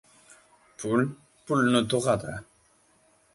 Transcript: • Pul pulni tug‘adi.